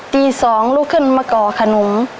ตี๒ลุกขึ้นมาก่อขนม